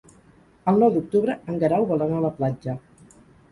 El nou d'octubre en Guerau vol anar a la platja.